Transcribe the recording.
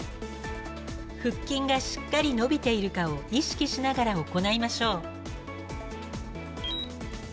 腹筋がしっかり伸びているかを意識しながら行いましょう